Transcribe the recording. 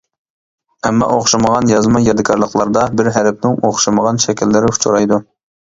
ئەمما ئوخشىمىغان يازما يادىكارلىقلاردا بىر ھەرپنىڭ ئوخشىمىغان شەكىللىرى ئۇچرايدۇ.